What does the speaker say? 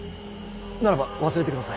ならば忘れてください。